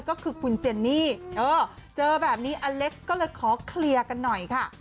ก็คือคุณเจนนี่เจอแบบนี้อเล็กซ์ก็เลยขอเคลียร์กันหน่อยค่ะ